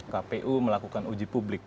kpu melakukan uji publik